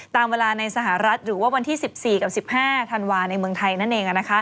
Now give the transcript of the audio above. ตามเวลาในสหรัฐหรือว่าวันที่๑๔กับ๑๕ธันวาในเมืองไทยนั่นเอง